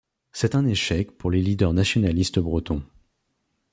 C'est un échec pour les leaders nationalistes bretons.